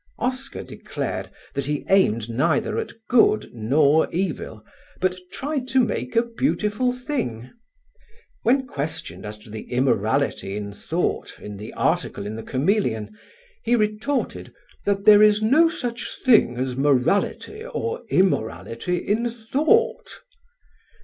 Oscar declared that he aimed neither at good nor evil, but tried to make a beautiful thing. When questioned as to the immorality in thought in the article in The Chameleon, he retorted "that there is no such thing as morality or immorality in thought."